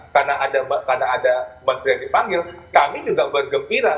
karena ada menteri yang dipanggil kami juga bergembira